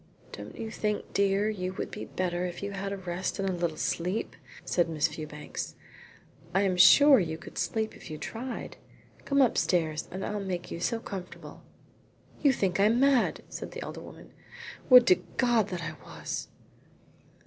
"Don't you think, dear, you would be better if you had a rest and a little sleep?" said Miss Fewbanks. "I am sure you could sleep if you tried. Come upstairs and I'll make you so comfortable." "You think I am mad," said the elder woman. "Would to God that I was."